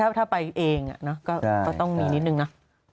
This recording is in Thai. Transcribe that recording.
ถ้าไปเองก็ต้องมีนิดนึงนะ